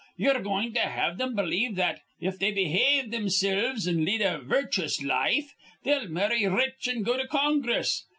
'Ye're goin' to have thim believe that, if they behave thimsilves an' lead a virchous life, they'll marry rich an' go to Congress.